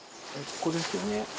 ここですね。